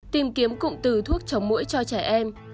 tìm kiếm cụm từ thuốc chống mũi cho trẻ em